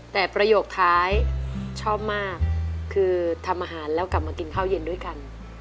แต่ประโยคท้ายชอบมากคือทำอาหารแล้วกลับมากินข้าวเย็นด้วยกัน